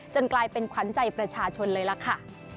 กลายเป็นขวัญใจประชาชนเลยล่ะค่ะ